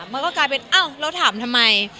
มันก็กลายเป็นอ้าวเราถามทำไม